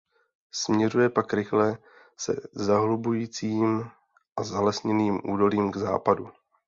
Směřuje pak rychle se zahlubujícím a zalesněným údolím k západu.